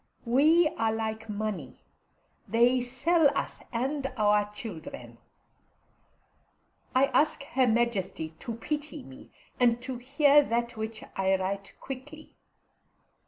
We are like money; they sell us and our children. I ask Her Majesty to pity me, and to hear that which I write quickly.